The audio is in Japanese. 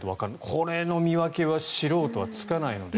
この見分けは素人はつかない。